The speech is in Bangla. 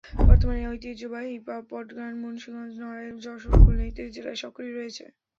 বর্তমানে ঐতিহ্যবাহী পটগান মুন্সিগঞ্জ, নড়াইল, যশোর, খুলনা ইত্যাদি জেলায় সক্রিয় রয়েছে।